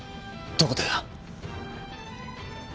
どこでだ！？